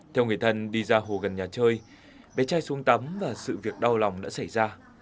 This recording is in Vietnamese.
theo người thân đi ra hồ gần nhà chơi bé trai xuống tắm và sự việc đau lòng đã xảy ra